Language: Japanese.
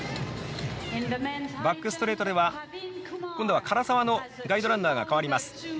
バックストレートでは今度は唐澤のガイドランナーが代わります。